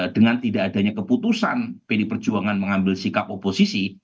dengan tidak adanya keputusan pdi perjuangan mengambil sikap oposisi